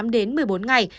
tám đến một mươi bốn ngày